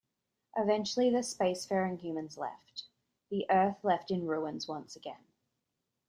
Eventually the spacefaring humans left, the Earth left in ruins once again.